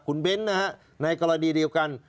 คุณเบ้นนะฮะในกรณีเดียวกัน